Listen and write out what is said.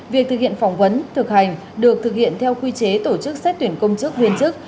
việc thực hiện phỏng vấn thực hành được thực hiện theo quy chế tổ chức xét tuyển công chức viên chức